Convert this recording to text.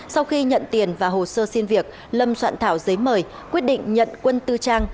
sau khi nhận tiền và hồ sơ xin việc lâm soạn thảo giấy mời quyết định nhận quân tư trang